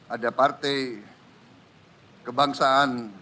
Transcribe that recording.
ada partai kebangsaan